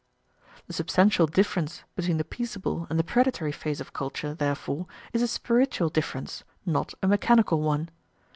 The substantial difference between the peaceable and the predatory phase of culture, therefore, is a spiritual difference, not a mechanical one.